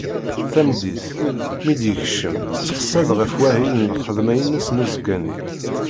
Tameddit, mi d-yekcem testeqsa-t ɣef wahil n lxedma-ines n uzekka-nni.